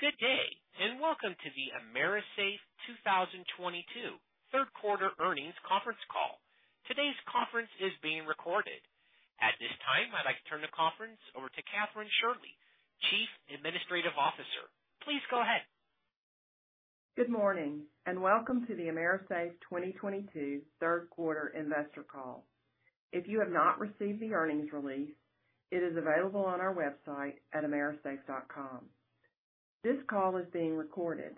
Good day, and welcome to the AMERISAFE 2022 third quarter earnings conference call. Today's conference is being recorded. At this time, I'd like to turn the conference over to Kathryn Shirley, Chief Administrative Officer. Please go ahead. Good morning, and welcome to the AMERISAFE 2022 third quarter investor call. If you have not received the earnings release, it is available on our website at amerisafe.com. This call is being recorded.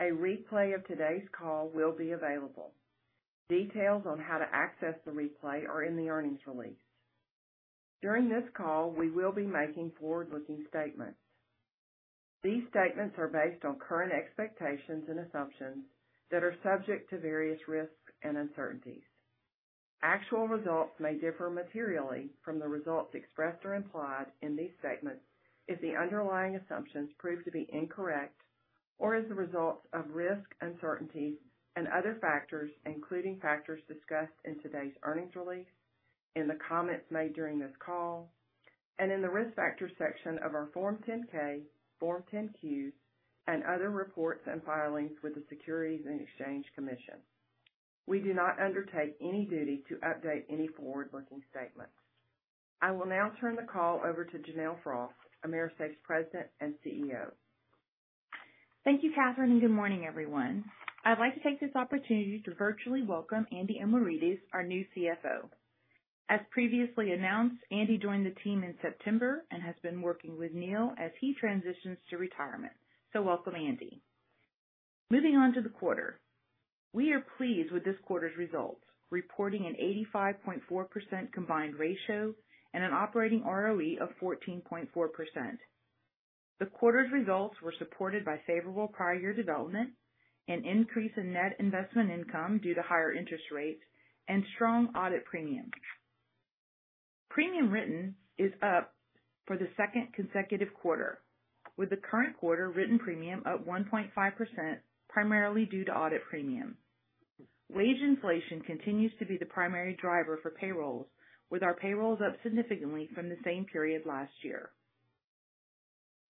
A replay of today's call will be available. Details on how to access the replay are in the earnings release. During this call, we will be making forward-looking statements. These statements are based on current expectations and assumptions that are subject to various risks and uncertainties. Actual results may differ materially from the results expressed or implied in these statements if the underlying assumptions prove to be incorrect or as a result of risks, uncertainties, and other factors, including factors discussed in today's earnings release, in the comments made during this call, and in the Risk Factors section of our Form 10-K, Form 10-Q, and other reports and filings with the Securities and Exchange Commission. We do not undertake any duty to update any forward-looking statements. I will now turn the call over to Janelle Frost, AMERISAFE's President and CEO. Thank you, Kathryn, and good morning, everyone. I'd like to take this opportunity to virtually welcome Anastasios Omiridis, our new CFO. As previously announced, Andy joined the team in September and has been working with Neal as he transitions to retirement. Welcome, Andy. Moving on to the quarter. We are pleased with this quarter's results, reporting an 85.4% combined ratio and an operating ROE of 14.4%. The quarter's results were supported by favorable prior year development, an increase in net investment income due to higher interest rates, and strong audit premiums. Premium written is up for the second consecutive quarter, with the current quarter written premium up 1.5%, primarily due to audit premium. Wage inflation continues to be the primary driver for payrolls, with our payrolls up significantly from the same period last year.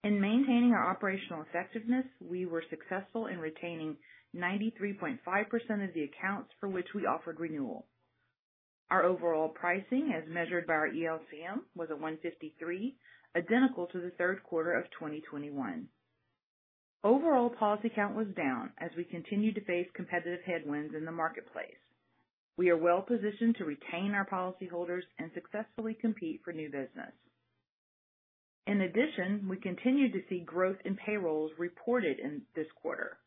In maintaining our operational effectiveness, we were successful in retaining 93.5% of the accounts for which we offered renewal. Our overall pricing, as measured by our ELCM, was at 153, identical to the third quarter of 2021. Overall policy count was down as we continued to face competitive headwinds in the marketplace. We are well-positioned to retain our policyholders and successfully compete for new business. In addition, we continued to see growth in payrolls reported in this quarter,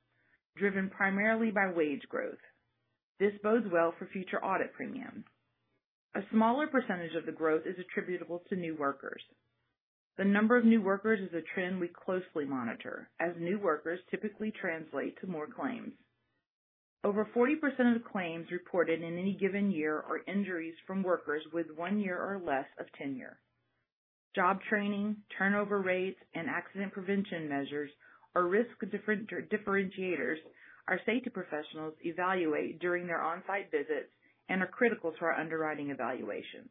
driven primarily by wage growth. This bodes well for future audit premiums. A smaller percentage of the growth is attributable to new workers. The number of new workers is a trend we closely monitor, as new workers typically translate to more claims. Over 40% of the claims reported in any given year are injuries from workers with one year or less of tenure. Job training, turnover rates, and accident prevention measures are risk differentiators our safety professionals evaluate during their on-site visits and are critical to our underwriting evaluations.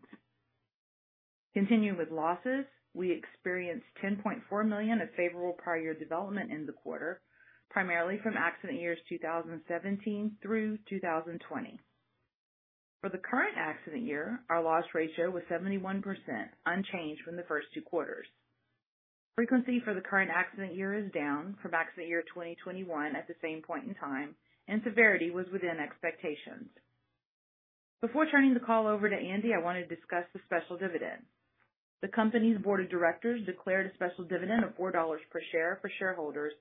Continuing with losses, we experienced $10.4 million of favorable prior year development in the quarter, primarily from accident years 2017 through 2020. For the current accident year, our loss ratio was 71%, unchanged from the first two quarters. Frequency for the current accident year is down from accident year 2021 at the same point in time, and severity was within expectations. Before turning the call over to Andy, I want to discuss the special dividend. The company's board of directors declared a special dividend of $4 per share for shareholders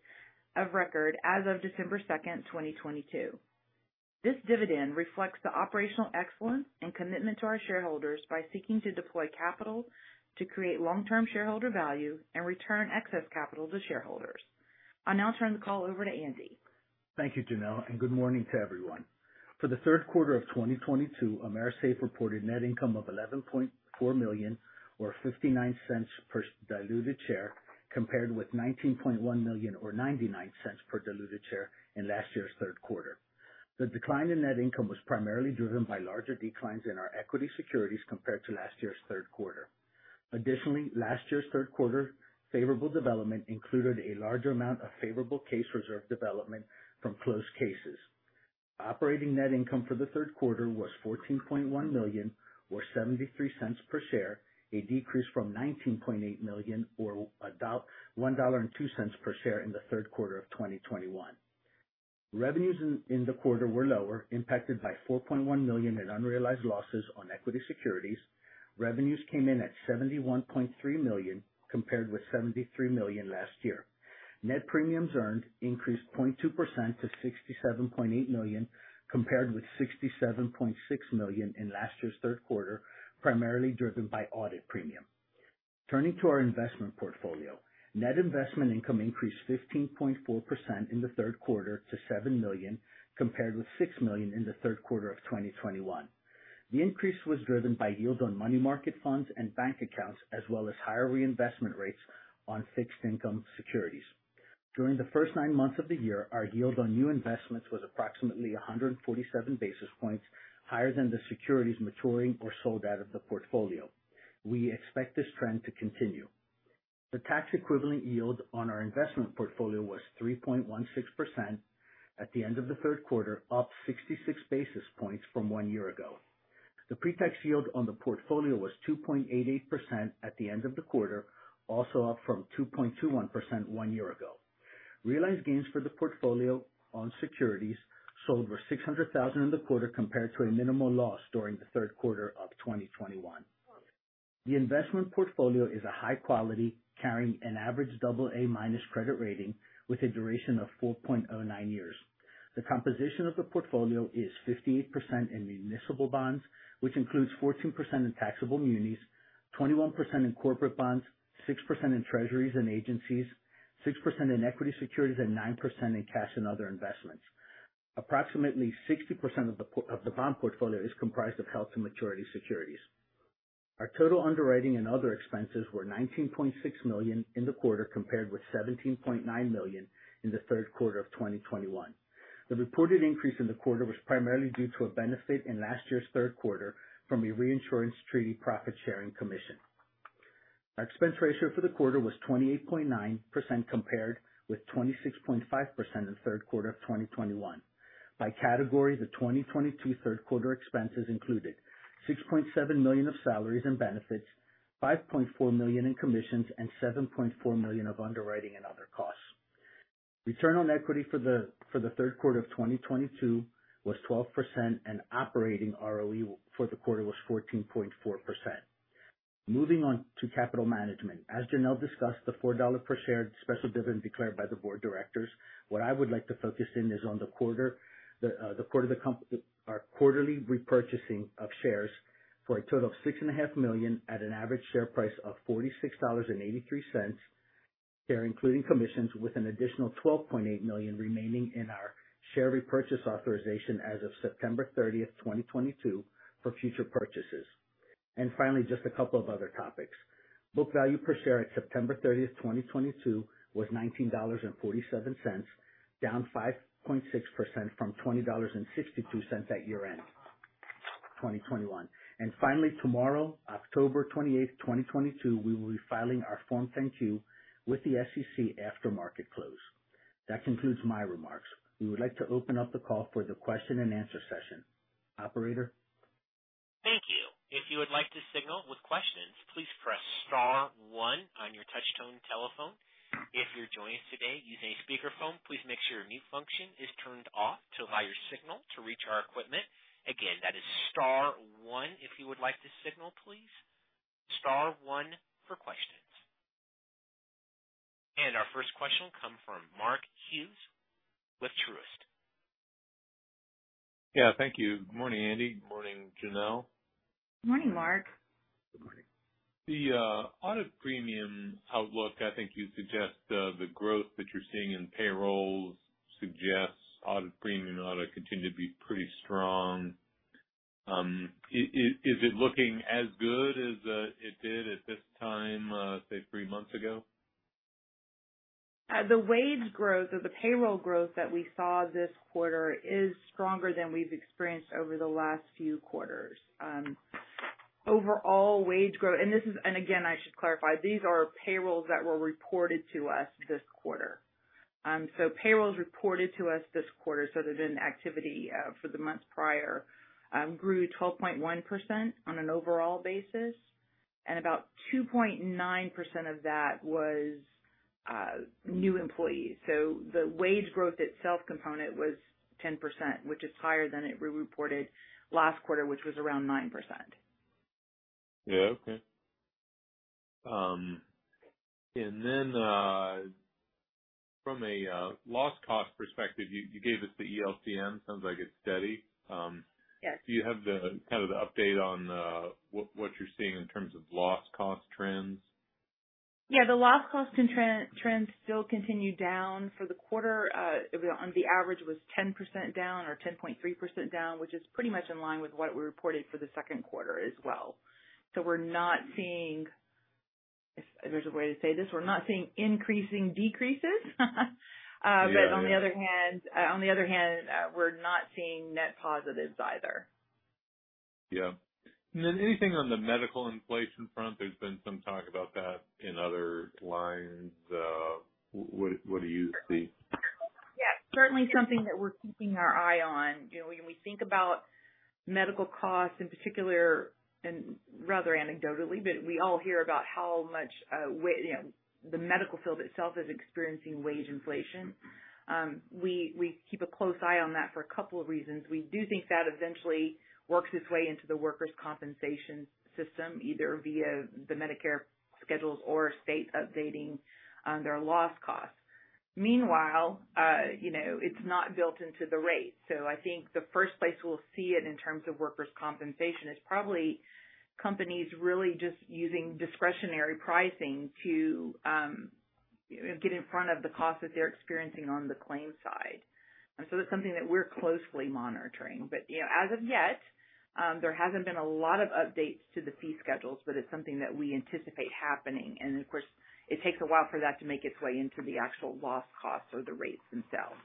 of record as of December 2nd, 2022. This dividend reflects the operational excellence and commitment to our shareholders by seeking to deploy capital to create long-term shareholder value and return excess capital to shareholders. I'll now turn the call over to Andy. Thank you, Janelle, and good morning to everyone. For the third quarter of 2022, AMERISAFE reported net income of $11.4 million or $0.59 per diluted share, compared with $19.1 million or $0.99 per diluted share in last year's third quarter. The decline in net income was primarily driven by larger declines in our equity securities compared to last year's third quarter. Additionally, last year's third quarter favorable development included a larger amount of favorable case reserve development from closed cases. Operating net income for the third quarter was $14.1 million or $0.73 per share, a decrease from $19.8 million or $1.02 per share in the third quarter of 2021. Revenues in the quarter were lower, impacted by $4.1 million in unrealized losses on equity securities. Revenues came in at $71.3 million compared with $73 million last year. Net premiums earned increased 0.2% to $67.8 million compared with $67.6 million in last year's third quarter, primarily driven by audit premium. Turning to our investment portfolio, net investment income increased 15.4% in the third quarter to $7 million, compared with $6 million in the third quarter of 2021. The increase was driven by yields on money market funds and bank accounts, as well as higher reinvestment rates on fixed income securities. During the first nine months of the year, our yield on new investments was approximately 147 basis points higher than the securities maturing or sold out of the portfolio. We expect this trend to continue. The tax equivalent yield on our investment portfolio was 3.16% at the end of the third quarter, up 66 basis points from one year ago. The pre-tax yield on the portfolio was 2.88% at the end of the quarter, also up from 2.21% one year ago. Realized gains for the portfolio on securities sold were $600,000 in the quarter compared to a minimal loss during the third quarter of 2021. The investment portfolio is a high quality, carrying an average AA- credit rating with a duration of 4.09 years. The composition of the portfolio is 58% in municipal bonds, which includes 14% in taxable munis, 21% in corporate bonds, 6% in Treasuries and agencies, 6% in equity securities, and 9% in cash and other investments. Approximately 60% of the bond portfolio is comprised of held-to-maturity securities. Our total underwriting and other expenses were $19.6 million in the quarter, compared with $17.9 million in the third quarter of 2021. The reported increase in the quarter was primarily due to a benefit in last year's third quarter from a reinsurance treaty profit-sharing commission. Our expense ratio for the quarter was 28.9% compared with 26.5% in the third quarter of 2021. By category, the 2022 third quarter expenses included $6.7 million of salaries and benefits, $5.4 million in commissions, and $7.4 million of underwriting and other costs. Return on equity for the third quarter of 2022 was 12%, and operating ROE for the quarter was 14.4%. Moving on to capital management. As Janelle discussed, the $4 per share special dividend declared by the board of directors. What I would like to focus on is the quarterly repurchasing of shares for a total of $6.5 million at an average share price of $46.83, including commissions, with an additional $12.8 million remaining in our share repurchase authorization as of September 30th, 2022, for future purchases. Finally, just a couple of other topics. Book value per share at September 30th, 2022 was $19.47, down 5.6% from $20.62 at year-end 2021. Finally, tomorrow, October 28th, 2022, we will be filing our Form 10-Q with the SEC after market close. That concludes my remarks. We would like to open up the call for the question and answer session. Operator? Thank you. If you would like to signal with questions, please press star one on your touchtone telephone. If you're joining us today using a speakerphone, please make sure your mute function is turned off to allow your signal to reach our equipment. Again, that is star one if you would like to signal please. Star one for questions. Our first question come from Mark Hughes with Truist. Yeah, thank you. Morning, Andy. Morning, Janelle. Morning, Mark. Good morning. The audit premium outlook, I think you suggest, the growth that you're seeing in payrolls suggests audit premium ought to continue to be pretty strong. Is it looking as good as it did at this time, say, three months ago? The wage growth or the payroll growth that we saw this quarter is stronger than we've experienced over the last few quarters. Overall wage growth. Again, I should clarify, these are payrolls that were reported to us this quarter. Payrolls reported to us this quarter, so they reflect activity for the months prior, grew 12.1% on an overall basis, and about 2.9% of that was new employees. The wage growth itself component was 10%, which is higher than it reported last quarter, which was around 9%. Yeah. Okay. From a loss cost perspective, you gave us the ELCM. Sounds like it's steady. Yes. Do you have kind of the update on what you're seeing in terms of loss cost trends? Yeah, the loss cost trend still continued down for the quarter. It on the average was 10% down or 10.3% down, which is pretty much in line with what we reported for the second quarter as well. We're not seeing, if there's a way to say this, we're not seeing increasing decreases. Yeah. Yeah. On the other hand, we're not seeing net positives either. Yeah. Then anything on the medical inflation front? There's been some talk about that in other lines. What do you see? Yeah, certainly something that we're keeping our eye on. You know, when we think about medical costs in particular, and rather anecdotally, but we all hear about how much, you know, the medical field itself is experiencing wage inflation. We keep a close eye on that for a couple of reasons. We do think that eventually works its way into the workers' compensation system, either via the Medicare schedules or state updating their loss costs. Meanwhile, you know, it's not built into the rate. So I think the first place we'll see it in terms of workers' compensation is probably companies really just using discretionary pricing to get in front of the costs that they're experiencing on the claims side. That's something that we're closely monitoring. You know, as of yet, there hasn't been a lot of updates to the fee schedules, but it's something that we anticipate happening. Of course, it takes a while for that to make its way into the actual loss cost or the rates themselves.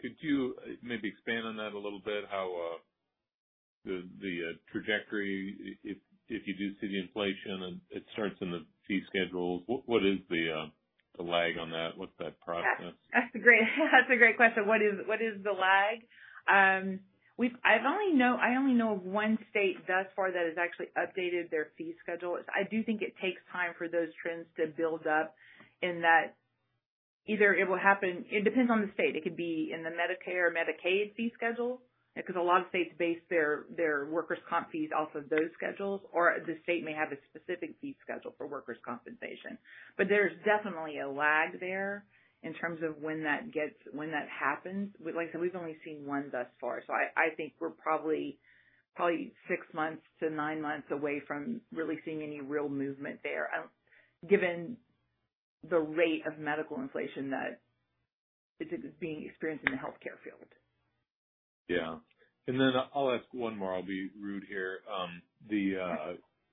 Could you maybe expand on that a little bit, how the trajectory, if you do see the inflation and it starts in the fee schedules, what is the lag on that? What's that process? That's a great question. What is the lag? I only know of one state thus far that has actually updated their fee schedule. I do think it takes time for those trends to build up in that either it will happen. It depends on the state. It could be in the Medicare or Medicaid fee schedule, because a lot of states base their workers' comp fees off of those schedules, or the state may have a specific fee schedule for workers' compensation. There's definitely a lag there in terms of when that happens. Like I said, we've only seen one thus far, so I think we're probably 6-9 months away from really seeing any real movement there, given the rate of medical inflation that is being experienced in the healthcare field. Yeah. I'll ask one more. I'll be rude here.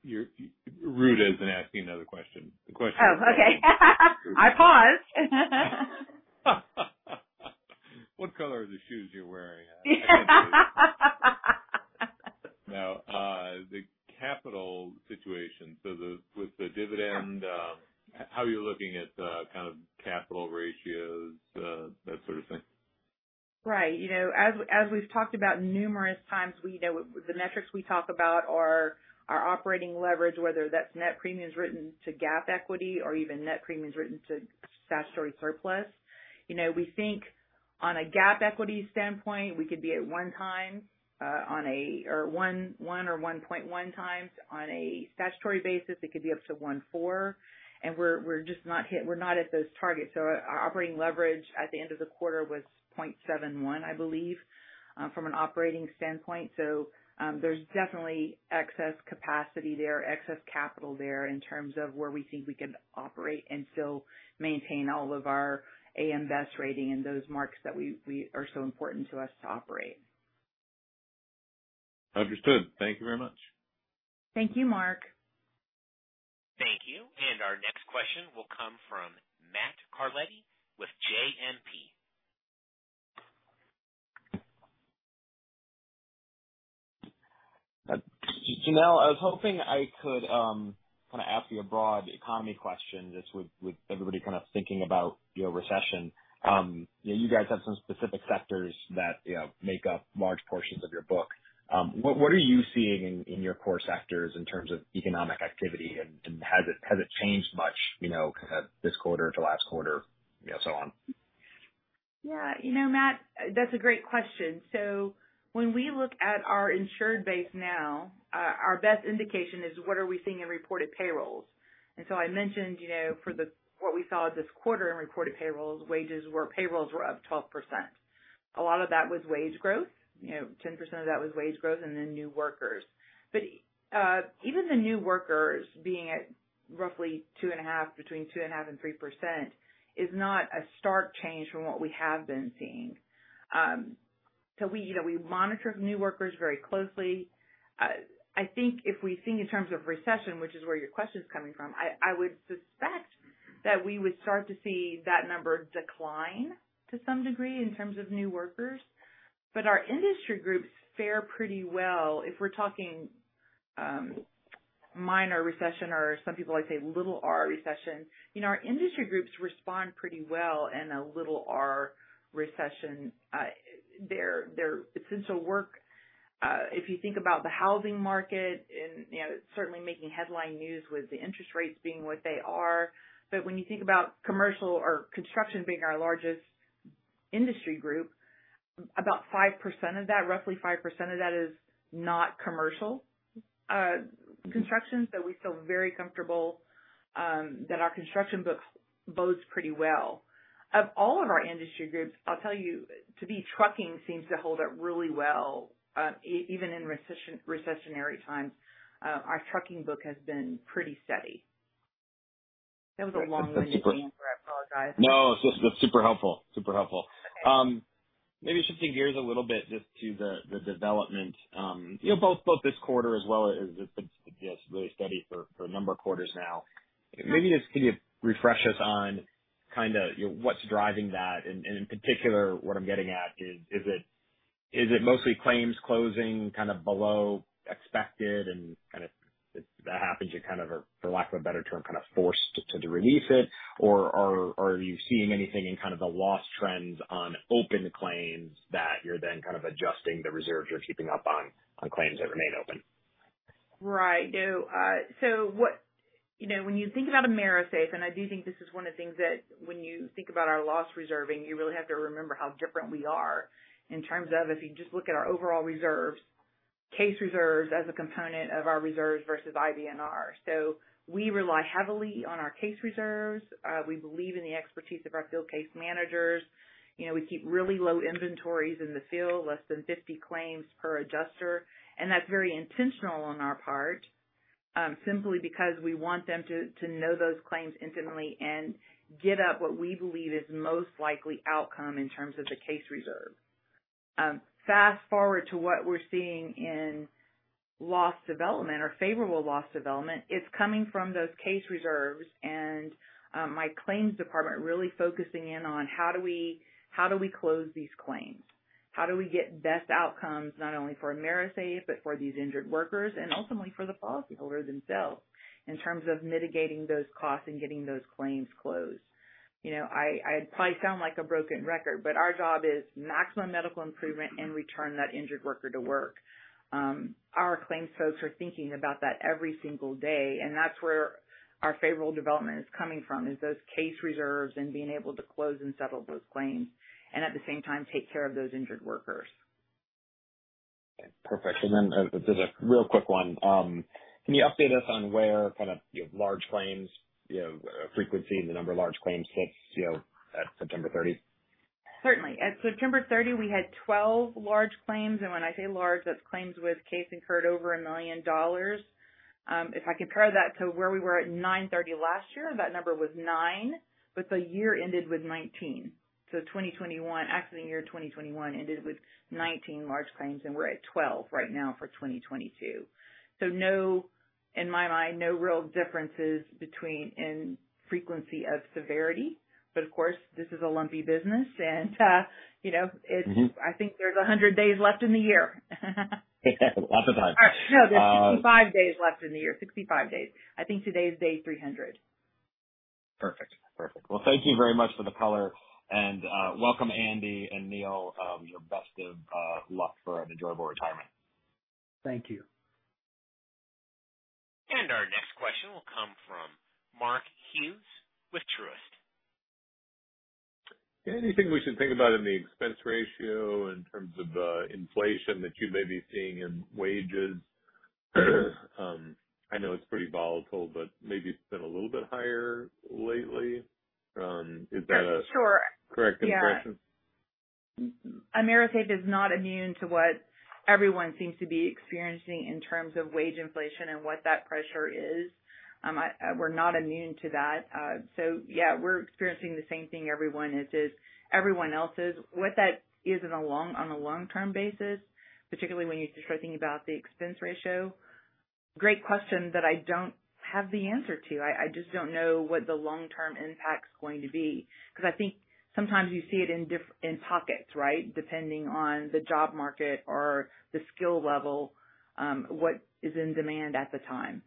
You're rude in asking another question. The question- Oh, okay. I paused. What color are the shoes you're wearing? Now, the capital situation. With the dividend, how are you looking at the kind of capital ratios, that sort of thing? Right. You know, as we've talked about numerous times, we know the metrics we talk about are our operating leverage, whether that's net premiums written to GAAP equity or even net premiums written to statutory surplus. You know, we think on a GAAP equity standpoint, we could be at 1x or 1.1x. On a statutory basis, it could be up to 1.4x. We're not at those targets. Our operating leverage at the end of the quarter was 0.71x, I believe, from an operating standpoint. There's definitely excess capacity there, excess capital there in terms of where we think we can operate and still maintain all of our AM Best rating and those marks that we are so important to us to operate. Understood. Thank you very much. Thank you, Mark. Thank you. Our next question will come from Matt Carletti with JMP. Janelle, I was hoping I could kind of ask you a broad economy question, just with everybody kind of thinking about the recession. You guys have some specific sectors that, you know, make up large portions of your book. What are you seeing in your core sectors in terms of economic activity? Has it changed much, you know, kind of this quarter to last quarter, you know, so on? Yeah. You know, Matt, that's a great question. When we look at our insured base now, our best indication is what are we seeing in reported payrolls. I mentioned, you know, what we saw this quarter in reported payrolls were up 12%. A lot of that was wage growth, you know, 10% of that was wage growth and then new workers. Even the new workers being at roughly 2.5, between 2.5 and 3% is not a stark change from what we have been seeing. We, you know, we monitor new workers very closely. I think if we think in terms of recession, which is where your question's coming from, I would suspect that we would start to see that number decline to some degree in terms of new workers. Our industry groups fare pretty well. If we're talking minor recession or some people like to say little R recession, you know, our industry groups respond pretty well in a little R recession. Their essential work, if you think about the housing market and, you know, certainly making headline news with the interest rates being what they are. When you think about commercial or construction being our largest industry group, about 5% of that, roughly 5% of that is not commercial construction. We feel very comfortable that our construction book bodes pretty well. Of all of our industry groups, I'll tell you, to me, trucking seems to hold up really well, even in recessionary times. Our trucking book has been pretty steady. That was a long-winded answer. I apologize. No, it's super helpful. Super helpful. Okay. Maybe switching gears a little bit just to the development, you know, both this quarter as well, it's been just really steady for a number of quarters now. Maybe just can you refresh us on kind of what's driving that? In particular, what I'm getting at is it mostly claims closing kind of below expected and kind of that happens, you're kind of, for lack of a better term, kind of forced to release it? Or are you seeing anything in kind of the loss trends on open claims that you're then kind of adjusting the reserves you're keeping up on claims that remain open? You know, when you think about AMERISAFE, and I do think this is one of the things that when you think about our loss reserving, you really have to remember how different we are in terms of if you just look at our overall reserves, case reserves as a component of our reserves versus IBNR. We rely heavily on our case reserves. We believe in the expertise of our field case managers. You know, we keep really low inventories in the field, less than 50 claims per adjuster, and that's very intentional on our part. Simply because we want them to know those claims intimately and give up what we believe is most likely outcome in terms of the case reserve. Fast-forward to what we're seeing in loss development or favorable loss development, it's coming from those case reserves and my claims department really focusing in on how do we close these claims? How do we get best outcomes, not only for AMERISAFE, but for these injured workers and ultimately for the policyholders themselves, in terms of mitigating those costs and getting those claims closed. You know, I probably sound like a broken record, but our job is maximum medical improvement and return that injured worker to work. Our claims folks are thinking about that every single day, and that's where our favorable development is coming from, is those case reserves and being able to close and settle those claims and at the same time, take care of those injured workers. Perfect. Just a real quick one. Can you update us on where kind of, you know, large claims, you know, frequency and the number of large claims sits, you know, at September thirty? Certainly. At September 30th, we had 12 large claims, and when I say large, that's claims with case incurred over $1 million. If I compare that to where we were at 9/30 last year, that number was nine, but the year ended with 19. Actually, year 2021 ended with 19 large claims, and we're at 12 right now for 2022. No, in my mind, no real differences between in frequency of severity, but of course, this is a lumpy business and you know. Mm-hmm. I think there's 100 days left in the year. Lots of time. No, there's 65 days left in the year. 65 days. I think today is day 300. Perfect. Well, thank you very much for the color, and welcome Andy and Neil. Your best of luck for an enjoyable retirement. Thank you. Our next question will come from Mark Hughes with Truist. Anything we should think about in the expense ratio in terms of inflation that you may be seeing in wages? I know it's pretty volatile, but maybe it's been a little bit higher lately. Is that a- Sure. Correct impression? Yeah. AMERISAFE is not immune to what everyone seems to be experiencing in terms of wage inflation and what that pressure is. We're not immune to that. Yeah, we're experiencing the same thing everyone else is. What that is on a long-term basis, particularly when you start thinking about the expense ratio, great question that I don't have the answer to. I just don't know what the long-term impact's going to be, 'cause I think sometimes you see it in pockets, right? Depending on the job market or the skill level, what is in demand at the time.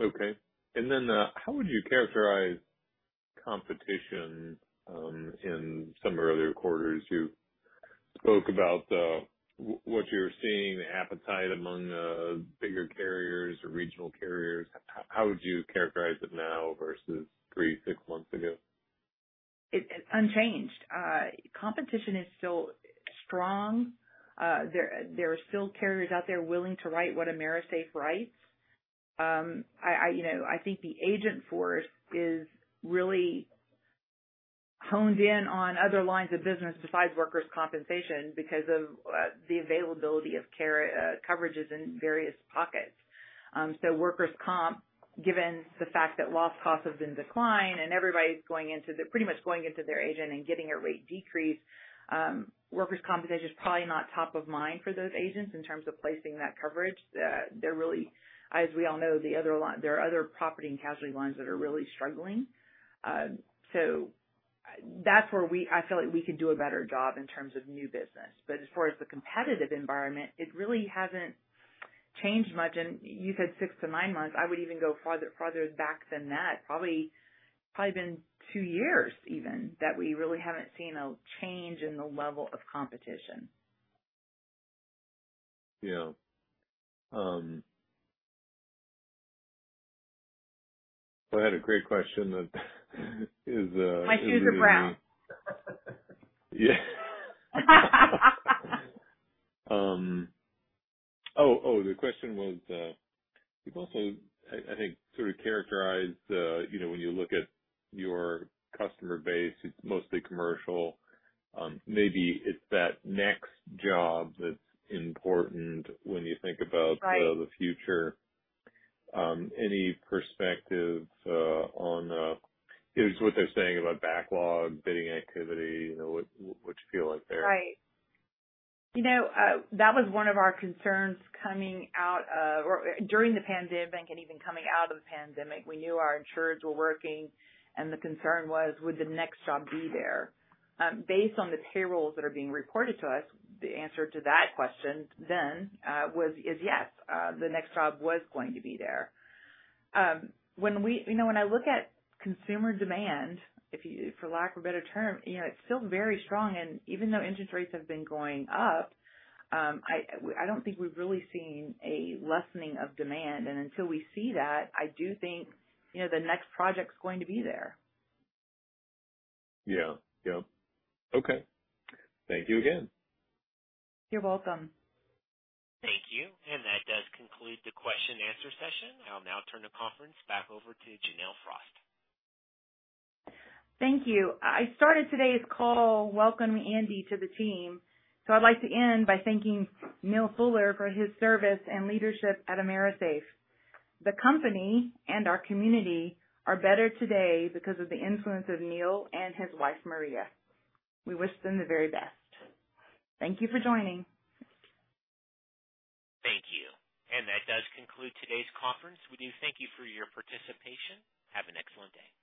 Okay. How would you characterize competition in some of the other quarters? You spoke about what you're seeing, the appetite among bigger carriers or regional carriers. How would you characterize it now versus three, six months ago? It's unchanged. Competition is still strong. There are still carriers out there willing to write what AMERISAFE writes. You know, I think the agent force is really honed in on other lines of business besides workers' compensation because of the availability of carrier coverages in various pockets. Workers' comp, given the fact that loss cost has been declined and everybody's pretty much going to their agent and getting a rate decrease, workers' compensation is probably not top of mind for those agents in terms of placing that coverage. They're really, as we all know, there are other property and casualty lines that are really struggling. That's where I feel like we could do a better job in terms of new business. As far as the competitive environment, it really hasn't changed much. You said 6-9 months, I would even go farther back than that. Probably been two years even, that we really haven't seen a change in the level of competition. Yeah. I had a great question that is, My shoes are brown. Yeah. The question was, you've also, I think, sort of characterized, you know, when you look at your customer base, it's mostly commercial. Maybe it's that next job that's important when you think about. Right. -the future. Any perspective on, you know, just what they're saying about backlog, bidding activity, you know, what you feel like there? Right. You know, that was one of our concerns coming out of or during the pandemic and even coming out of the pandemic. We knew our insureds were working, and the concern was, would the next job be there? Based on the payrolls that are being reported to us, the answer to that question then is yes, the next job was going to be there. When I look at consumer demand, if you, for lack of a better term, you know, it's still very strong. Even though interest rates have been going up, I don't think we've really seen a lessening of demand. Until we see that, I do think, you know, the next project's going to be there. Yeah. Yep. Okay. Thank you again. You're welcome. Thank you. That does conclude the question and answer session. I'll now turn the conference back over to Janelle Frost. Thank you. I started today's call welcoming Andy to the team. I'd like to end by thanking Neal Fuller for his service and leadership at AMERISAFE. The company and our community are better today because of the influence of Neal and his wife, Maria. We wish them the very best. Thank you for joining. Thank you. That does conclude today's conference. We do thank you for your participation. Have an excellent day.